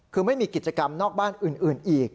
คือไม่มีกิจกรรมนอกบ้านอื่นอีก